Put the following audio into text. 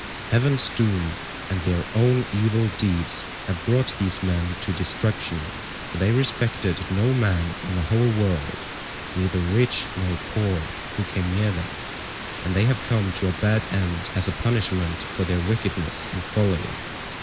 Heaven's doom and their own evil deeds have brought these men to destruction, for they respected no man in the whole world, neither rich nor poor, who came near them, and they have come to a bad end as a punishment for their wickedness and folly.